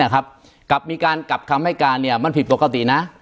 กับมีการกลับคำให้การมันผิดปกตินะ